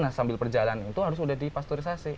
nah sambil berjalan itu harus sudah dipasturisasi